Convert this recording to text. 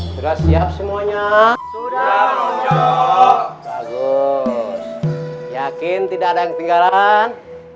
sudah siap semuanya sudah muncul bagus yakin tidak ada yang tinggal kan